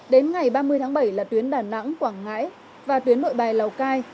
đến ngày ba mươi tháng bảy là tuyến đà nẵng quảng ngãi và tuyến nội bài lào cai